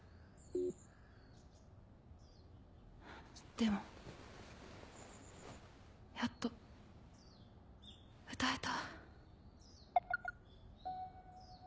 でもやっと歌えた。